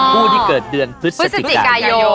ผู้ที่เกิดเดือนพฤศจิกายน